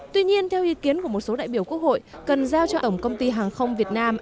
tuy nhiên theo ý kiến của một số đại biểu quốc hội cần giao cho tổng công ty hàng không việt nam